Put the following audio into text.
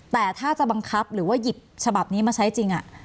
แต่ถ้าจะบังคับหรือว่าหยิบฉบับนี้มาใช้จริง